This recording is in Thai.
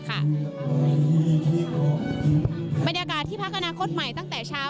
บรรยากาศที่พักอนาคตใหม่ตั้งแต่เช้า